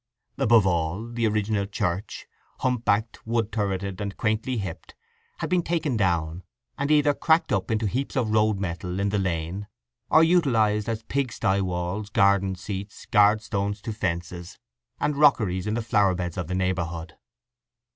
Above all, the original church, hump backed, wood turreted, and quaintly hipped, had been taken down, and either cracked up into heaps of road metal in the lane, or utilized as pig sty walls, garden seats, guard stones to fences, and rockeries in the flower beds of the neighbourhood.